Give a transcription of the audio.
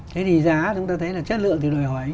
thế thì giá chúng ta thấy là chất lượng thì đòi hỏi